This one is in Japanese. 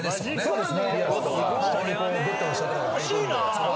そうですね。